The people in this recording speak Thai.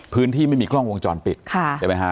พื้นที่ไม่มีกล้องวงจรปิด